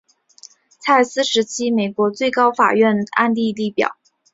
蔡斯时期美国最高法院案例列表